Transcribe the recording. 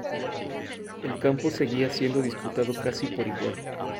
El campo seguía siendo disputado casi por igual.